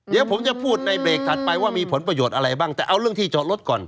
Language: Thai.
เดี๋ยวผมจะพูดในเบรกถัดไปว่ามีผลประโยชน์อะไรบ้างแต่เอาเรื่องที่จอดรถก่อน